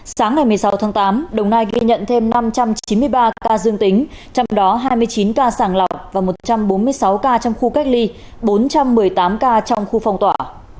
sáng ngày một mươi sáu tháng tám đồng nai ghi nhận thêm năm trăm chín mươi ba ca dương tính trong đó hai mươi chín ca sàng lọc và một trăm bốn mươi sáu ca trong khu cách ly bốn trăm một mươi tám ca trong khu phong tỏa